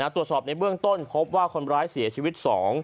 ตรวจสอบในเบื้องต้นพบว่าคนร้ายเสียชีวิต๒